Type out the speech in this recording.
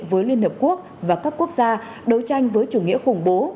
với liên hợp quốc và các quốc gia đấu tranh với chủ nghĩa khủng bố